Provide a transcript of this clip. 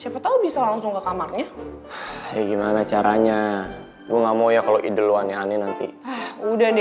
mending sekarang kita cari cari orang yang kenal sama oma aja